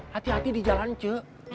hati hati di jalan cu